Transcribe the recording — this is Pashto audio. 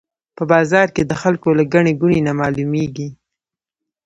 په بازار کې د خلکو له ګڼې ګوڼې نه معلومېږي.